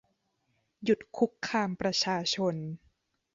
หยุดคุกคามประชาชน